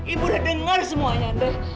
ibu udah dengar semuanya deh